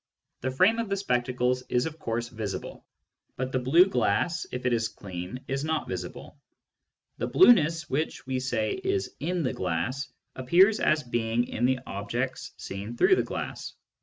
The frame of the spectacles is of course visible, but the blue glass, if it is clean, is not visible. The blueness, which we say is in the glass, appears as being in the objects seen through the glass.